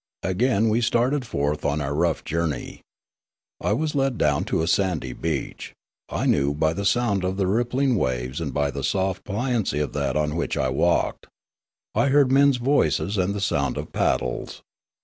Again we started forth on our rough journey. I was led down to a sandy beach ; I knew by the sound of the rippling waves and by the soft pliancy of that on which I walked. I heard men's voices and the sound of paddles.